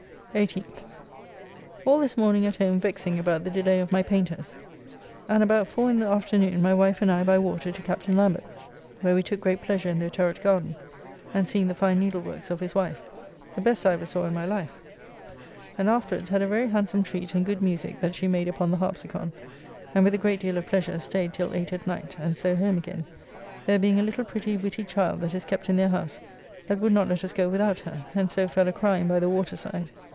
18th. All this morning at home vexing about the delay of my painters, and about four in the afternoon my wife and I by water to Captain Lambert's, where we took great pleasure in their turret garden, and seeing the fine needle works of his wife, the best I ever saw in my life, and afterwards had a very handsome treat and good musique that she made upon the harpsicon, and with a great deal of pleasure staid till 8 at night, and so home again, there being a little pretty witty child that is kept in their house that would not let us go without her, and so fell a crying by the water side.